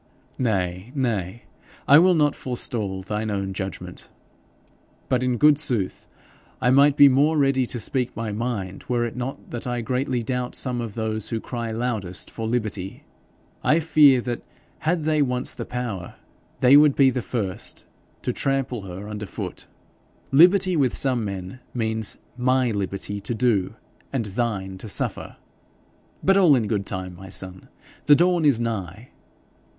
'Nay, nay, I will not forestall thine own judgment. But, in good sooth, I might be more ready to speak my mind, were it not that I greatly doubt some of those who cry loudest for liberty. I fear that had they once the power, they would be the first to trample her under foot. Liberty with some men means MY liberty to do, and THINE to suffer. But all in good time, my son! The dawn is nigh.'